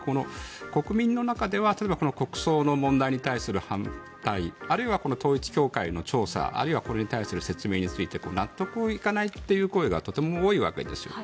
国民の中では、例えばこの国葬の問題に対する反対あるいは統一教会の調査あるいはこれに対する説明に納得いかないという声がとても多いわけです。